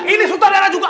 ini sultan darah juga